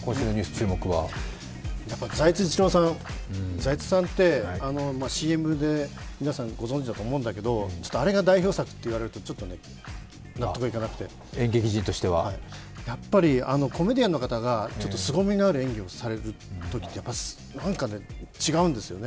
やっぱり財津一郎さん、財津さんってＣＭで皆さんご存じだと思うんだけどあれが代表作と言われるとちょっと納得いかなくて、やっぱり、コメディアンの方がすごみのある演技をされるときっていうのはやっぱりなんか違うんですよね